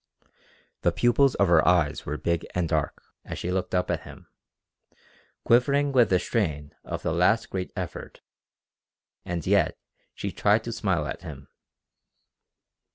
The pupils of her eyes were big and dark as she looked up at him, quivering with the strain of the last great effort, and yet she tried to smile at him.